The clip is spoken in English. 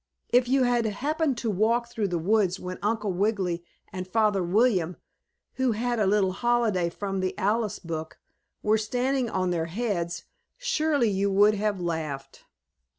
If you had happened to walk through the woods when Uncle Wiggily and Father William, who had a little holiday from the Alice book, were standing on their heads, surely you would have laughed.